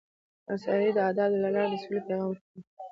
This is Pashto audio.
عطايي د ادب له لارې د سولې پیغام ورکړی دی